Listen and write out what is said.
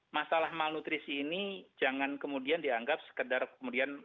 masalah malnutrisi ini jangan kemudian dianggap sekedar kemudian